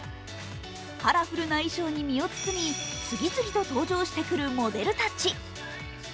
カラフルな衣装に身を包み次々と登場してくるモデルたち。